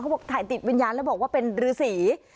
บอกถ่ายติดวิญญาณแล้วบอกว่าเป็นรือสี